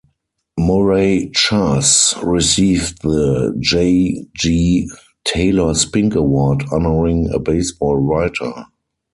Murray Chass received the J. G. Taylor Spink Award honoring a baseball writer.